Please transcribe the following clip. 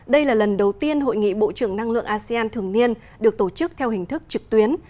đây là lần đầu tiên hội nghị bộ trưởng năng lượng asean thường niên được tổ chức theo hình thức trực tuyến